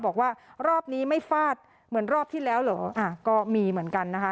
บอกว่ารอบนี้ไม่ฟาดเหมือนรอบที่แล้วเหรออ่าก็มีเหมือนกันนะคะ